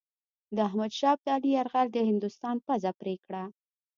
د احمدشاه ابدالي یرغل د هندوستان پزه پرې کړه.